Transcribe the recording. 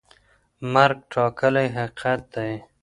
مرګ ټاکلی حقیقت دی.